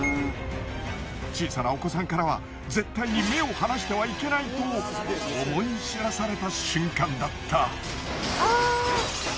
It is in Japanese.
小さなお子さんからは絶対に目を離してはいけないと思い知らされた瞬間だった。